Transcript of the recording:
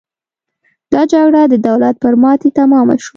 دا جګړه د دولت پر ماتې تمامه شوه.